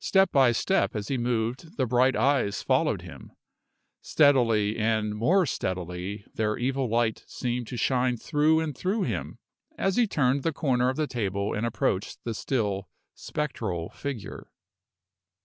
Step by step as he moved the bright eyes followed him. Steadily and more steadily their evil light seemed to shine through and through him, as he turned the corner of the table and approached the still, spectral figure.